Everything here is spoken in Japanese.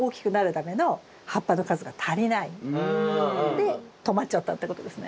で止まっちゃったってことですね。